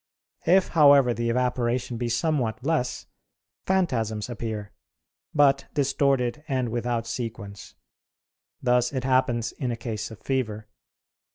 If, however, the evaporation be somewhat less, phantasms appear, but distorted and without sequence; thus it happens in a case of fever.